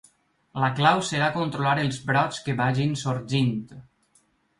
La clau serà controlar els brots que vagin sorgint.